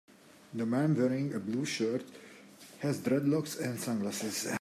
The man wearing a blue shirt has dreadlocks and sunglasses.